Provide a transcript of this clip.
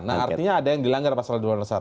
nah artinya ada yang dilanggar pasal dua ratus satu